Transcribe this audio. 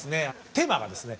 テーマがですね